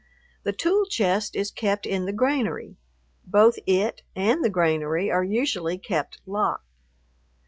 The tool chest is kept in the granary; both it and the granary are usually kept locked.